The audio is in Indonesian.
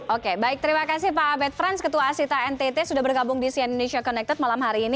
oke baik terima kasih pak abed frans ketua asita ntt sudah bergabung di sian indonesia connected malam hari ini